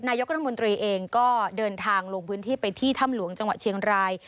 นายกรัฐมนตรีเองก็เดินทางลงพื้นที่ไปที่ถ้ำหลวงจังหวัดเชียงราย